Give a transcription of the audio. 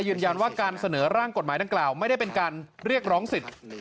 ยืนยันว่าการเสนอร่างกฎหมายดังกล่าวไม่ได้เป็นการเรียกร้องสิทธิ์